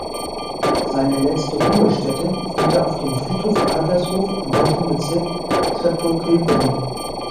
Seine letzte Ruhestätte fand er auf dem Friedhof Adlershof im heutigen Bezirk Treptow-Köpenick.